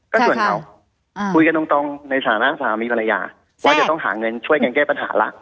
ก็ส่วนเขาคุยกันตรงในฐานะสามีภรรยาว่าจะต้องหาเงินช่วยกันแก้ปัญหาละ